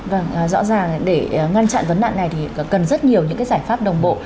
vâng rõ ràng để ngăn chặn vấn nạn này thì cần rất nhiều những cái giải pháp đồng bộ